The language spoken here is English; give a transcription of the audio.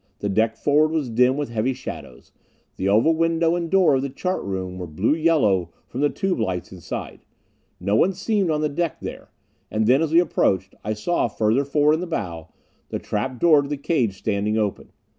The deck forward was dim with heavy shadows. The oval window and door of the chart room were blue yellow from the tube lights inside. No one seemed on the deck there; and then, as we approached, I saw, further forward in the bow, the trap door to the cage standing open.